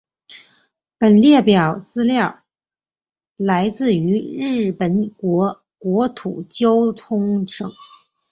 本列表资料来自于日本国国土交通省。